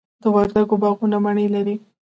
د وردګو باغونه مڼې لري.